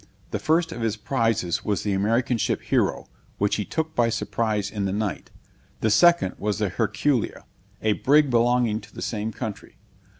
The first of his prizes was the American ship Hero, which he took by surprise in the night; the second, was the Herculia, a brig belonging to the same country.